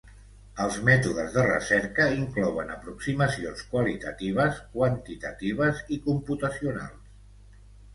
Els mètodes de recerca inclouen aproximacions qualitatives, quantitatives i computacionals.